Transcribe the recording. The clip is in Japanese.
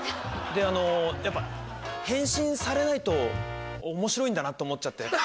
であのやっぱ変身されないと面白いんだなと思っちゃって。